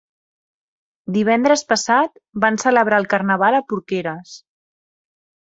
Divendres passat van celebrar el carnaval a Porqueres.